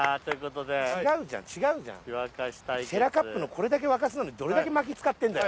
シェラカップのこれだけ沸かすのにれだけ薪使ってんだよ。